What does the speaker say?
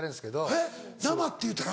えっ「生」って言うたら？